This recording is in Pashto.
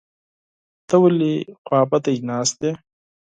ته ولې خپه ناست يې ؟